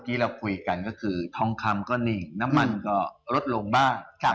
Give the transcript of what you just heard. ที่เราคุยกันก็คือทองคำก็นิ่งน้ำมันก็ลดลงบ้าง